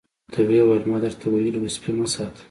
ورته ویې ویل ما درته ویلي وو سپي مه ساتئ.